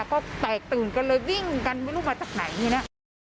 ก็แตกตื่นกันเลยวิ่งกันไม่รู้มาจากไหนนี่นะ